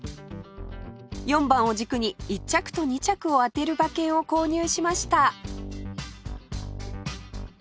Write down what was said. ４番を軸に１着と２着を当てる馬券を購入しました